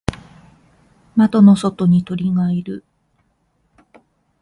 窓の外に鳥がいる。